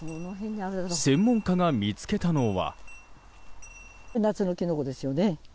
専門家が見つけたのは。